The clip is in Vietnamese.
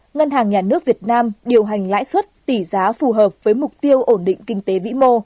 ngân hàng nhà nước việt nam điều hành lãi suất tỷ giá phù hợp với mục tiêu ổn định kinh tế vĩ mô